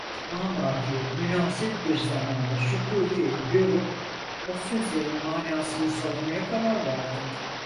Mamafih münasip bir zamanda Şükufe'yi görüp o sözlerin manasını sormaya karar verdim.